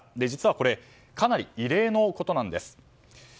実はこれかなり異例のことなんです。